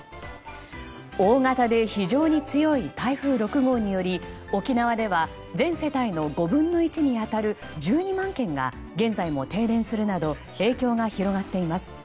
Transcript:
大型で非常に強い台風６号により沖縄では全世帯の５分の１に当たる１２万軒が現在も停電するなど影響が広がっています。